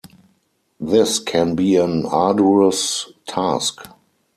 This can be an arduous task.